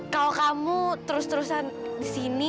kalau kamu terus terusan disini